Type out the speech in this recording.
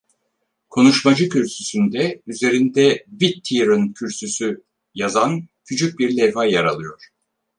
Konuşmacı kürsüsünde, üzerinde Whittier’in Kürsüsü yazan küçük bir levha yer alıyor.